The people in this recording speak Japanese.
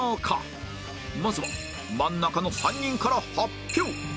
まずは真ん中の３人から発表